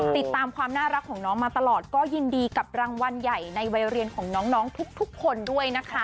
ติดตามความน่ารักของน้องมาตลอดก็ยินดีกับรางวัลใหญ่ในวัยเรียนของน้องทุกคนด้วยนะคะ